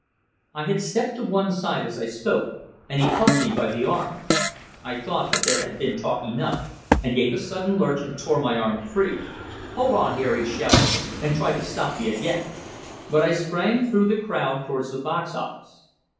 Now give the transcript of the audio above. I had stepped to one side as I spoke, and he caught me by the arm. I thought there had been talk enough, and gave a sudden lurch, and tore my arm free. "Hold on here!" he shouted, and tried to stop me again; but I sprang through the crowd towards the box office.